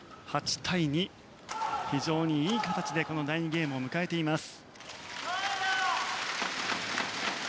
非常にいい形で第２ゲームを迎えています。